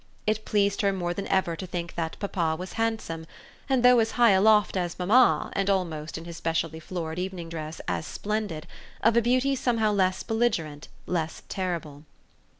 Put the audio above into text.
It pleased her more than ever to think that papa was handsome and, though as high aloft as mamma and almost, in his specially florid evening dress, as splendid, of a beauty somehow less belligerent, less terrible.